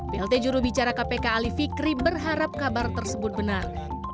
plt jurubicara kpk ali fikri berharap kabar tersebut benar